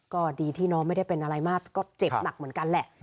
ก็ดีที่น้องไม่ได้เป็นอะไรมากก็เจ็บหนักเหมือนกันแหละ